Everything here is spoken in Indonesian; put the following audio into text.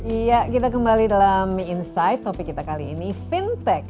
iya kita kembali dalam insight topik kita kali ini fintech